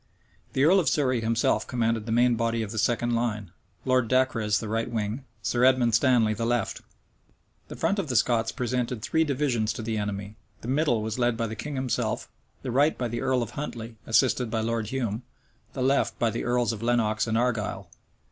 The earl of Surrey himself commanded the main body of the second line, Lord Dacres the right wing, Sir Edward Stanley the left. The front of the Scots presented three divisions to the enemy: the middle was led by the king himself; the right by the earl of Huntley, assisted by Lord Hume; the left by the earls of Lenox and Argyle.